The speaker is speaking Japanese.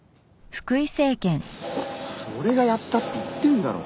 俺がやったって言ってんだろ。